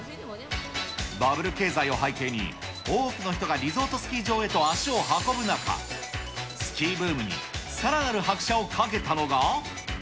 バブル経済を背景に、多くの人がリゾートスキー場へと足を運ぶ中、スキーブームにさらなる拍車をかけたのが。